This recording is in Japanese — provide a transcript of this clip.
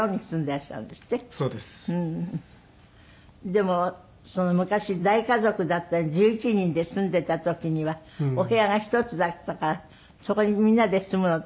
でも昔大家族だった１１人で住んでた時にはお部屋が１つだったからそこにみんなで住むの大変だったんですって？